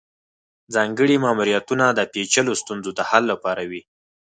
ځانګړي ماموریتونه د پیچلو ستونزو د حل لپاره وي